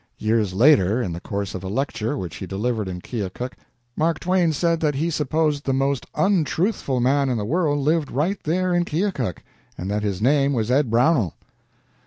Years later, in the course of a lecture which he delivered in Keokuk, Mark Twain said that he supposed the most untruthful man in the world lived right there in Keokuk, and that his name was Ed Brownell.